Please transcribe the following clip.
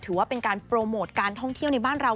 ถือว่าเป็นการโปรโมทการท่องเที่ยวในบ้านเรา